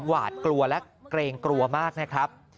หวาดกลัวและเกรงกลัวมากนะครับ